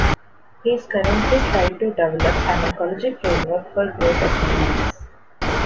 He is currently try to develop an ecology framework for growth economics.